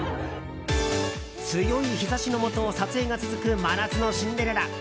強い日差しのもと撮影が続く「真夏のシンデレラ」。